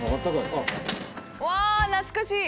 うわ懐かしい！